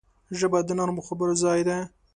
ژبه د نرمو خبرو ځای ده